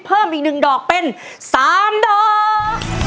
เพิ่มอีกหนึ่งเป็นสามดอก